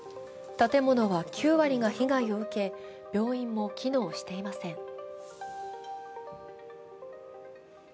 建物は９割が被害を受け病院も機能していません。